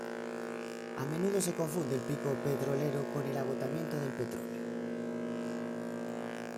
A menudo se confunde el pico petrolero con el agotamiento del petróleo.